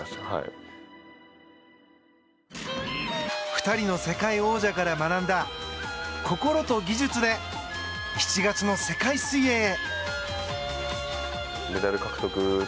２人の世界王者から学んだ心と技術で７月の世界水泳へ。